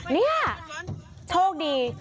นี่โชคดี